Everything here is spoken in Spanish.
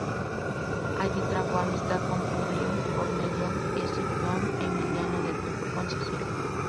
Allí trabó amistad con Publio Cornelio Escipión Emiliano, del que fue consejero.